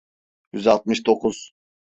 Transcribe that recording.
Yüz altmış dokuz.